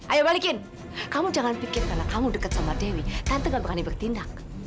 ayo balikin kamu jangan pikir karena kamu deket sama dewi tante gak berani bertindak